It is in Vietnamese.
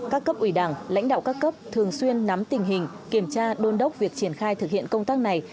các cấp ủy đảng lãnh đạo các cấp thường xuyên nắm tình hình kiểm tra đôn đốc việc triển khai thực hiện công tác này